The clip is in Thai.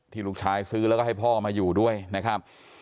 ลูกชายซื้อแล้วก็ให้พ่อมาอยู่ด้วยนะครับ